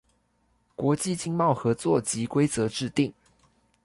國際經貿合作及規則制定